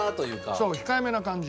そう控えめな感じ。